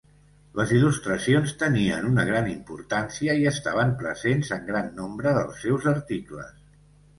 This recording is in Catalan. Les il·lustracions tenien una gran importància i estaven presents en gran nombre dels seus articles.